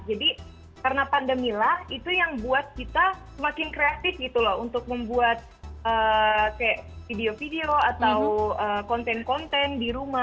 jadi karena pandemi lah itu yang buat kita semakin kreatif gitu loh untuk membuat kayak video video atau konten konten di rumah